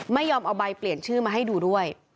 ไม่ยอมเอาใบเปลี่ยนชื่อมาให้ดูด้วย